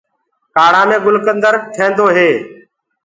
ڪآڙهآ مي گُلڪندر لگدو هي۔